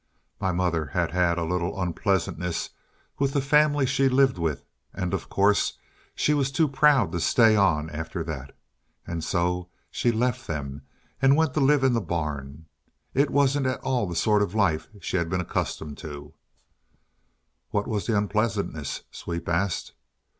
My mother had had a little unpleasantness with the family she lived with, and, of course, she was too proud to stay on after that. And so she left them, and went to live in the barn. It wasn't at all the sort of life she had been accustomed to." "What was the unpleasantness?" Sweep asked.